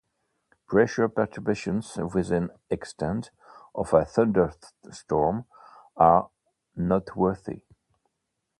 Pressure perturbations within an extent of a thunderstorm are noteworthy.